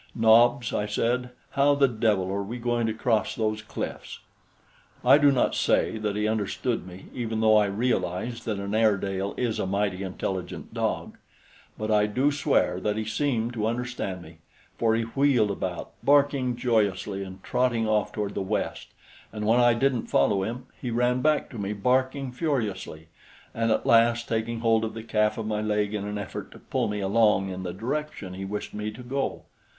"Nobs," I said, "how the devil are we going to cross those cliffs?" I do not say that he understood me, even though I realize that an Airedale is a mighty intelligent dog; but I do swear that he seemed to understand me, for he wheeled about, barking joyously and trotted off toward the west; and when I didn't follow him, he ran back to me barking furiously, and at last taking hold of the calf of my leg in an effort to pull me along in the direction he wished me to go.